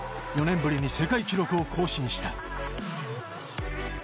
４年ぶりに世界記録を更新した。